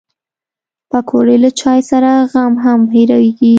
پکورې له چای سره غم هم هېرېږي